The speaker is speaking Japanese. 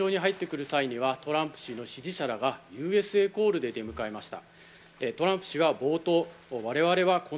トランプ氏が会場に入ってくる際にはトランプ氏の支持者らがＵＳＡコールで出迎えました。